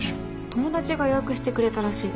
友達が予約してくれたらしいです。